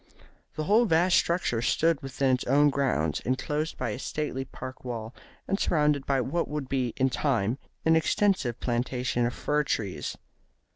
The whole vast structure stood within its own grounds, enclosed by a stately park wall, and surrounded by what would in time be an extensive plantation of fir trees.